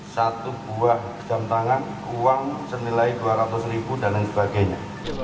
satu buah jam tangan uang senilai dua ratus ribu dan lain sebagainya